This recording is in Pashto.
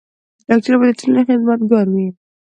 ډاکټر بايد د ټولني خدمت ګار وي.